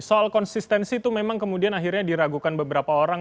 soal konsistensi itu memang kemudian akhirnya diragukan beberapa orang